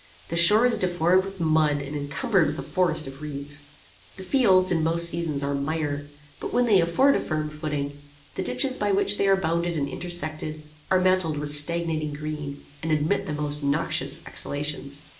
The shore is deformed with mud, and incumbered with a forest of reeds. The fields, in most seasons, are mire; but when they afford a firm footing, the ditches by which they are bounded and intersected, are mantled with stagnating green, and emit the most noxious exhalations.